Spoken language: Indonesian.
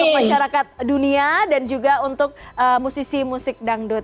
untuk masyarakat dunia dan juga untuk musisi musik dangdut